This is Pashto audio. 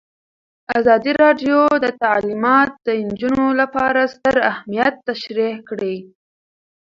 ازادي راډیو د تعلیمات د نجونو لپاره ستر اهميت تشریح کړی.